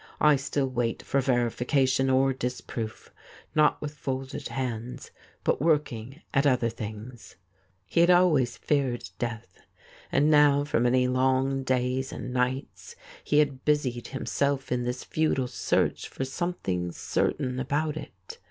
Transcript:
I still wait for veri fication or disproof — not with folded hands, but working at other things.' He had always feared death, and now for many long days and nights 34 THIS IS ALL he had busied himself in this futile search for something certain about it.